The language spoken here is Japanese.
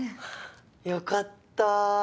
よかった。